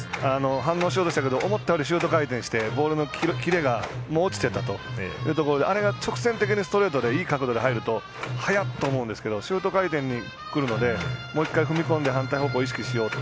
反応しようと思ったけど思ったよりシュート回転してボールのキレが落ちてたというところであれが直線的にストレートでいいところに入ると速っと思うんですけどシュート回転で入るのでもう１回踏み込んで反対方向、意識しようと。